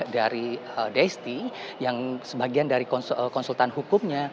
dari deisti yang sebagian dari konsultan hukumnya